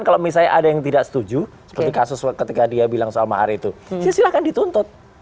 kalau misalnya ada yang tidak setuju seperti kasus ketika dia bilang soal mahar itu ya silahkan dituntut